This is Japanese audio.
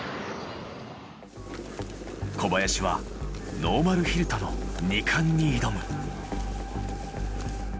小林はノーマルヒルとの二冠に挑む。